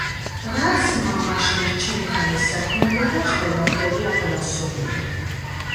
რაც მამაშენს ჩემთან ესაქმებოდა, ყველაფერი აღვასრულე.